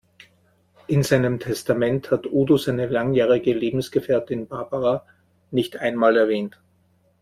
In seinem Testament hat Udo seine langjährige Lebensgefährtin Barbara nicht einmal erwähnt.